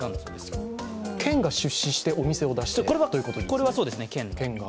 県が出資してお店を出しているということですね。